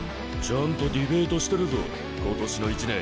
ちゃんとディベートしてるぞ今年の１年。